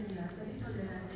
jadi setelah ini